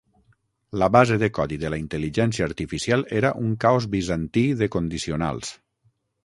La base de codi de la intel·ligència artificial era un caos bizantí de condicionals.